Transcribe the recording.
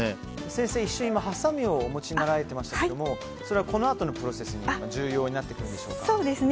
先生、一瞬、今はさみをお持ちになられてましたけどこのあとのプロセスに重要になってくるんでしょうか。